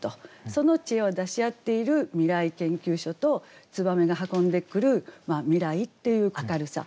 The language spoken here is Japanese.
その知恵を出し合っている未来研究所と燕が運んでくる未来っていう明るさ。